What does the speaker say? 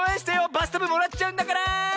バスタブもらっちゃうんだから！